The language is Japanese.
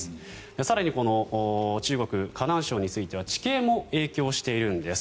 更に、中国・河南省については地形も影響しているんです。